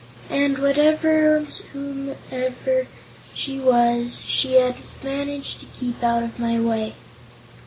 "And, whatever or whomsoever she was, she has managed to keep out of my way."